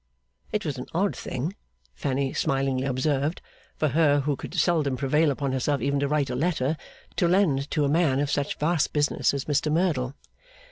It was an odd thing, Fanny smilingly observed, for her who could seldom prevail upon herself even to write a letter, to lend to a man of such vast business as Mr Merdle.